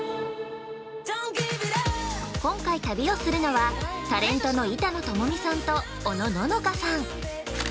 今回旅をするのは、タレントの板野友美さんとおのののかさん！